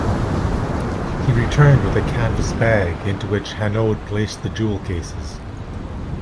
He returned with a canvas bag, into which Hanaud placed the jewel-cases.